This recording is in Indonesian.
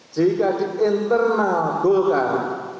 jika di internal golkar